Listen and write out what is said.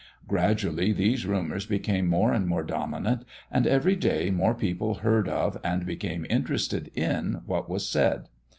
Gradually these rumors became more and more dominant, and every day more people heard of and became interested in what was said.